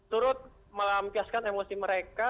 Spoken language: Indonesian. turut melampiaskan emosi mereka